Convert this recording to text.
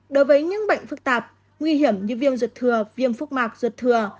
đối với những bệnh phức tạp nguy hiểm như viêm ruột thừa viêm phúc mạc ruột thừa